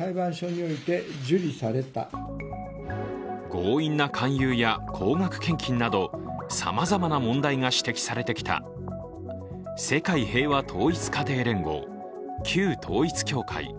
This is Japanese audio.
強引な勧誘や高額献金などさまざまな問題が指摘されてきた世界平和統一家庭連合、旧統一教会。